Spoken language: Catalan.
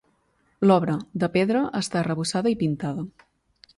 L'obra, de pedra, està arrebossada i pintada.